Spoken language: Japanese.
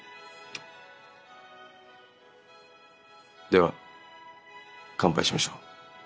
では乾杯しましょう。